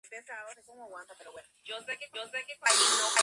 Generalmente se sirve con Smetana antes de servirlo.